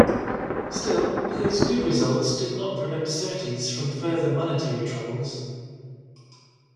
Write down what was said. Still, his good results did not prevent Surtees from further monetary troubles.